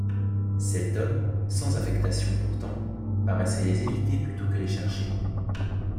Cet homme, sans affectation pourtant, paraissait les éviter plutôt que les chercher.